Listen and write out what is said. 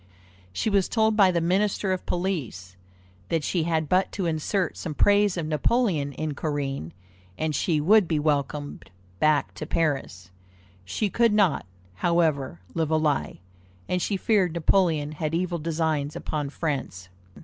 She was told by the Minister of Police, that she had but to insert some praise of Napoleon in Corinne, and she would be welcomed back to Paris. She could not, however, live a lie, and she feared Napoleon had evil designs upon France.